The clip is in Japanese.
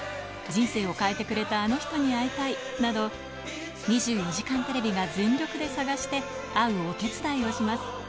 人生を変えてくれたあの人に会いたいなど、２４時間テレビが全力で探して、会うお手伝いをします。